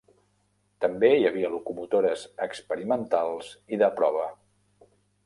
També hi havia locomotores experimentals i de prova.